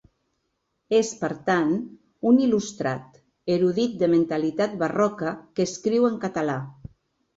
És, per tant, un il·lustrat, erudit de mentalitat barroca que escriu en català.